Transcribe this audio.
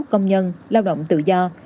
công nhân lao động tự do